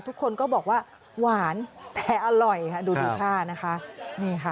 ทุกคนก็บอกว่าหวานแต่อร่อยค่ะดูดูค่านะคะนี่ค่ะ